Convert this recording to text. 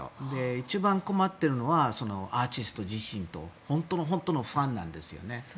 一番困っているのはアーティスト自身と本当の本当のファンなんですよね。